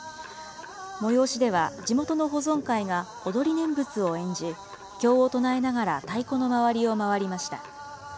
催しでは、地元の保存会が、踊り念仏を演じ、経を唱えながら太鼓の周りをまわりました。